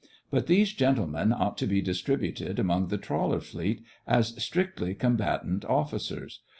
But these gentlemen ought to be distributed among the Trawler Fleet as strictly combatant officers.